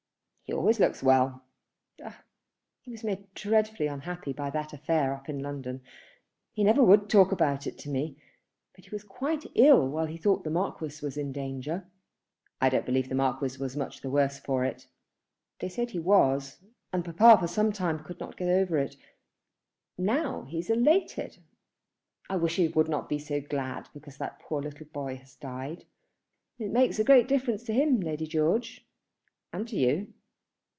"He always looks well." "Ah; he was made dreadfully unhappy by that affair up in London. He never would talk about it to me; but he was quite ill while he thought the Marquis was in danger." "I don't believe the Marquis was much the worse for it." "They said he was, and papa for some time could not get over it. Now he is elated. I wish he would not be so glad because that poor little boy has died." "It makes a great difference to him, Lady George; and to you."